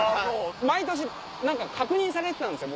毎年確認されてたんですよ